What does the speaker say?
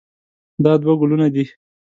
دا دوه ګلونه دي.